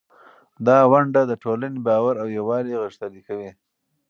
دا ونډه د ټولنې باور او یووالی غښتلی کوي.